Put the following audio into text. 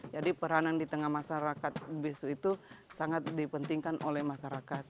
jadi peranan di tengah masyarakat bisu itu sangat dipentingkan oleh masyarakat